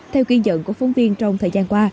theo ghi nhận của phóng viên trong thời gian qua